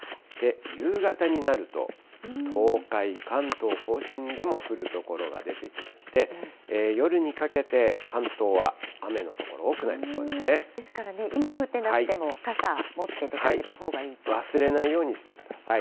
夕方になると、東海、関東甲信でも降る所が出てきまして、夜にかけて関東は雨の所、多くなりそうですからね、今降ってなくて忘れないようにしてください。